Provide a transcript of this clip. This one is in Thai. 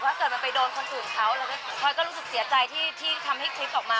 ถ้าเกิดมันไปโดนคนอื่นเขาพลอยก็รู้สึกเสียใจที่ทำให้คลิปออกมา